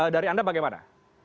dari anda bagaimana